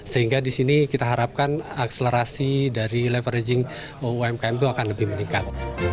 sehingga di sini kita harapkan akselerasi dari leveraging umkm itu akan lebih meningkat